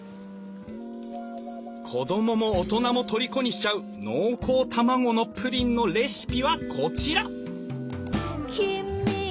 子供も大人もとりこにしちゃう濃厚卵のプリンのレシピはこちら！